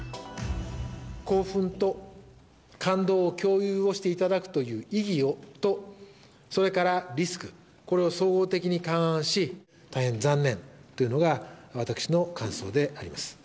興奮と感動を共有をしていただくという意義と、それからリスク、これを総合的に勘案し、大変残念というのが私の感想であります。